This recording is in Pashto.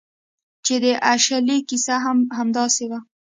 چې د اشلي کیسه هم همداسې وه